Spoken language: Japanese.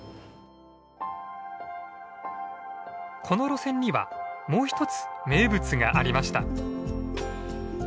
この路線にはもう一つ名物がありました。